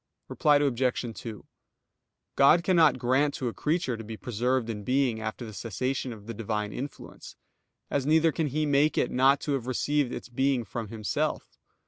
Reply Obj. 2: God cannot grant to a creature to be preserved in being after the cessation of the Divine influence: as neither can He make it not to have received its being from Himself.